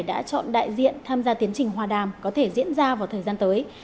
đã chọn đại diện tham gia tiến trình hòa đàm có thể diễn ra vào thời gian tới